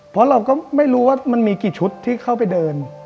เพราะเราก็ไม่รู้ว่ามันมีกี่ชุดที่เข้าไปเดิน